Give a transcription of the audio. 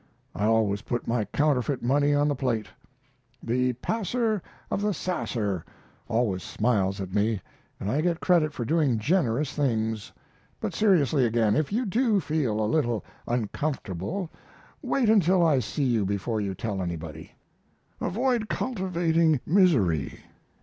I always put my counterfeit money on the plate. "The passer of the sasser" always smiles at me and I get credit for doing generous things. But seriously again, if you do feel a little uncomfortable wait until I see you before you tell anybody. Avoid cultivating misery.